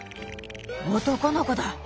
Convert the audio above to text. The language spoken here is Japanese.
「男の子だ！